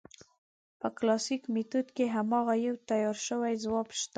په کلاسیک میتود کې هماغه یو تیار شوی ځواب شته.